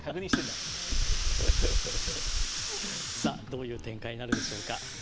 どういう展開になるでしょうか。